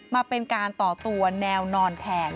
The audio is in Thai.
มาเป็นการต่อตัวแนวนอนแทน